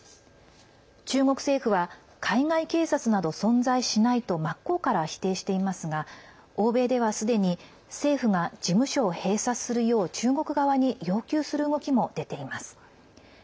中国政府は海外警察など存在しないと真っ向から否定していますが欧米では、すでに政府が事務所を閉鎖するよう中国側に要求する動きも出ています。